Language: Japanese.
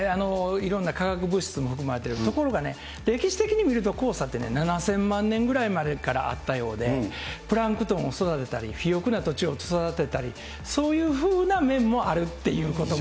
いろんな化学物質も含まれてる、ところがね、歴史的に見ると、黄砂って７０００万年ぐらい前からあったようで、プランクトンを育てたり、肥沃な土地を育てたり、そういうふうな面もあるっていうことも。